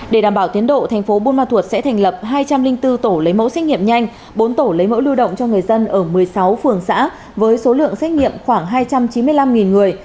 để đảm bảo tiến độ thành phố buôn ma thuột sẽ thành lập hai trăm linh bốn tổ lấy mẫu xét nghiệm nhanh bốn tổ lấy mẫu lưu động cho người dân ở một mươi sáu phường xã với số lượng xét nghiệm khoảng hai trăm chín mươi năm người